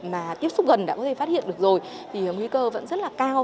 mà tiếp xúc gần đã có thể phát hiện được rồi thì nguy cơ vẫn rất là cao